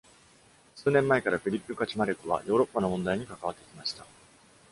数年前から、フィリップ・カチュマレクは、ヨーロッパの問題に関わってきました。